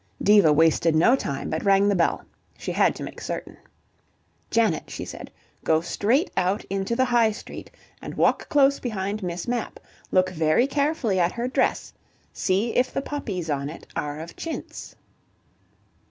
Diva wasted no time, but rang the bell. She had to make certain. "Janet," she said, "go straight out into the High Street, and walk close behind Miss Mapp. Look very carefully at her dress; see if the poppies on it are of chintz."